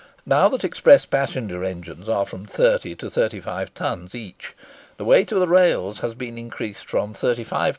Now that express passenger engines are from thirty to thirty five tons each, the weight of the rails has been increased from 35 lbs.